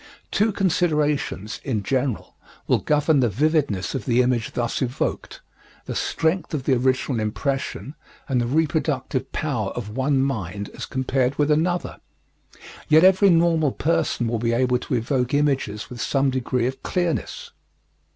Two considerations, in general, will govern the vividness of the image thus evoked the strength of the original impression, and the reproductive power of one mind as compared with another. Yet every normal person will be able to evoke images with some degree of clearness.